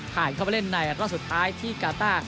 ผ่านเข้าไปเล่นในรอบสุดท้ายที่กาต้า